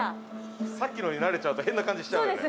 「さっきのに慣れちゃうと変な感じしちゃうよね」